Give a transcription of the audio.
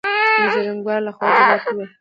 دجرګمارو لخوا جبار ته وويل: